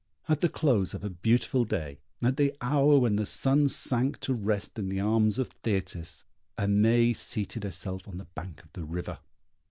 At the close of a beautiful day, at the hour when the sun sank to rest in the arms of Thetis, Aimée seated herself on the bank of the river.